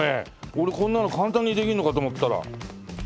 俺こんなの簡単にできんのかと思ったら。